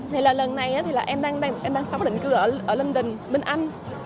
thì là lần này thì là em đang sống định cư ở london bên anh